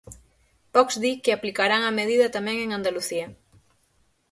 Vox di que aplicarán a medida tamén en Andalucía.